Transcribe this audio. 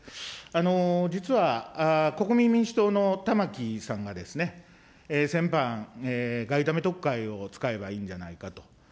実は国民民主党の玉木さんがですね、先般、外為とっかいを使えばいいんじゃないかと。